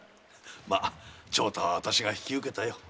まあ長太は私が引き受けたよ。